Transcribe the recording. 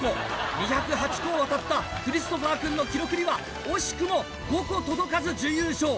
２０８個を渡ったクリストファーくんの記録には惜しくも５個届かず準優勝。